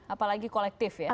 apalagi kolektif ya